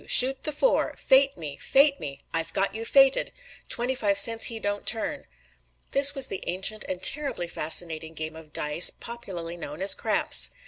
"Shoot the four!" "Fate me! Fate me!" "I've got you fated!" "Twenty five cents he don't turn!" This was the ancient and terribly fascinating game of dice, popularly known as "craps."